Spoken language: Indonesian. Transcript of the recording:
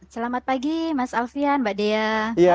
selamat pagi mas alfian mbak dea